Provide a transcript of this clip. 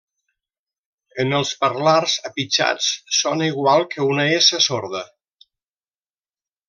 En els parlars apitxats sona igual que una essa sorda.